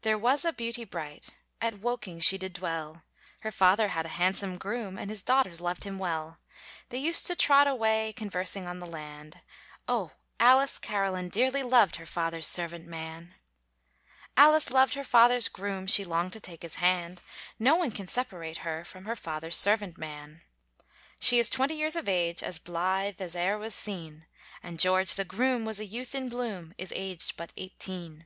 There was a beauty bright, At Woking she did dwell, Her father had a handsome groom, And his daughters loved him well. They used to trot away, Conversing on the land, Oh! Alice Caroline dearly loved Her father's servant man. Alice loved her father's groom, She longed to take his hand, No one can separate her From her father's servant man. She is twenty years of age, As blythe as e'er was seen, And George, the groom, was a youth in bloom, Is aged but eighteen.